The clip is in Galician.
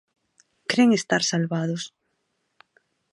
Cren estar salvados.